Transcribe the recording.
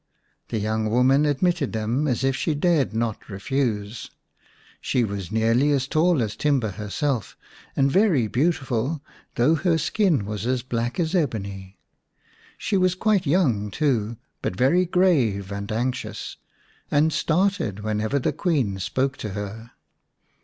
The young woman admitted them as if she dared not refuse. She was nearly as tall as Timba herself, and very beautiful, though her skin was as black as ebony. She was quite 105 The Serpent's Bride ix young, too, but very grave and anxious, and started whenever the Queen spoke to her.